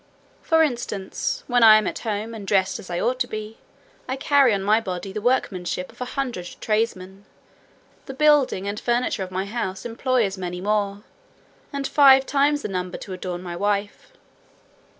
For instance, when I am at home, and dressed as I ought to be, I carry on my body the workmanship of a hundred tradesmen; the building and furniture of my house employ as many more, and five times the number to adorn my wife."